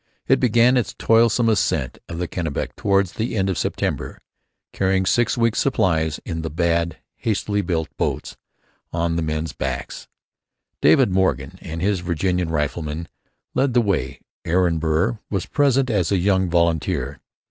It began its toilsome ascent of the Kennebec towards the end of September, carrying six weeks' supplies in the bad, hastily built boats or on the men's backs. Daniel Morgan and his Virginian riflemen led the way. Aaron Burr was present as a young volunteer.